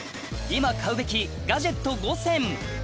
今買うべきガジェット５選